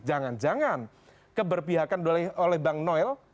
jangan jangan keberpihakan oleh bang noel